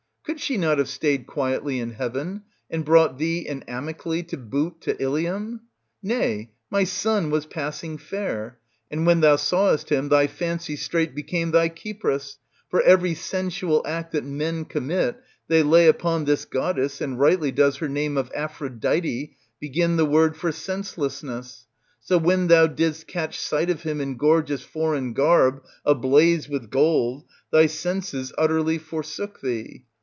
Could she not have stayed quietly in heaven and brought thee and Amyclse to boot to Ilium? Nay! my son was passing fair, and when thou sawest him thy fancy straight became thy Cypris ; for every sensual act that men commit, they lay upon this goddess, and rightly does her name of Aphrodite ^ begin the word for "senselessness"; so when thou didst catch sight of him in gorgeous foreign garb, ablaze with gold, thy senses utterly forsook thee.